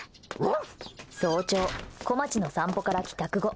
早朝、こまちの散歩から帰宅後。